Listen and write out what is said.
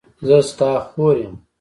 زه ستا خور یم.